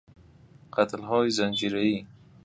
قتل های زنجیره ای